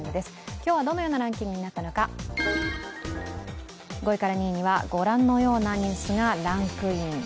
今日はどのようなランキングになったのか、５位から２位にはご覧のようなニュースがランクイン。